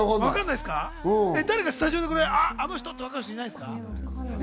誰かスタジオで「あの人！」ってわかる人いないですか？